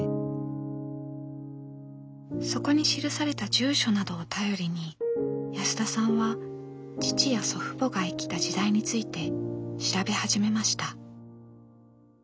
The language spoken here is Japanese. そこに記された住所などを頼りに安田さんは父や祖父母が生きた時代について調べ始めました。